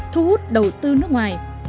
thu hút đầu tư nước ngoài